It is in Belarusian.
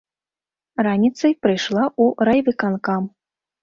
Раніцай прыйшла ў райвыканкам.